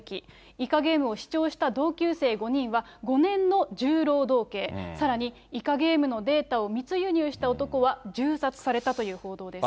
イカゲームを視聴した同級生５人は、５年の重労働刑、さらにイカゲームのデータを密輸入した男は、銃殺されたという報道です。